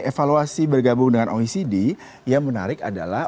evaluasi bergabung dengan oecd yang menarik adalah